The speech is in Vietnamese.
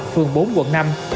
phường bốn quận năm